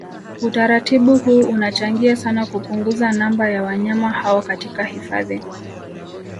Utaratibu huu unachangia sana kupunguza namba ya wanyama hao katika hifadhi